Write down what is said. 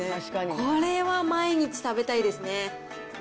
これは毎日食べたいですね。